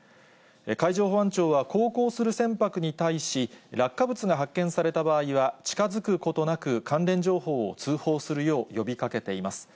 海上保安庁は、航行する船舶に対し、落下物が発見された場合は、近づくことなく関連情報を通報するよう呼びかけています。